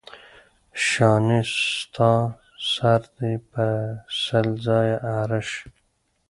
شانې ستا سر دې په سل ځایه اره شي.